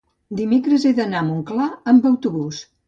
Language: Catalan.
dimecres he d'anar a Montclar amb autobús.